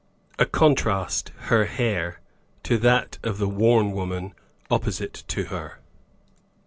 A contrast, her hair, to that of the worn woman opposite to her.